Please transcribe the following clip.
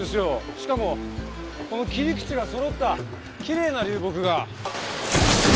しかもこの切り口がそろったきれいな流木が。